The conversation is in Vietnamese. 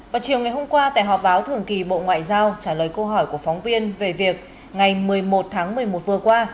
vào chiều ngày hôm qua tại họp báo thường kỳ bộ ngoại giao trả lời câu hỏi của phóng viên về việc ngày một mươi một tháng một mươi một vừa qua